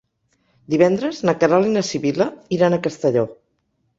Divendres na Queralt i na Sibil·la iran a Castelló.